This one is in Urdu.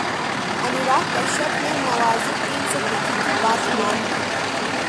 انوراگ کشیپ نے نوازالدین صدیقی کی بات مان لی